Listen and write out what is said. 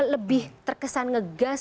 lebih terkesan ngegas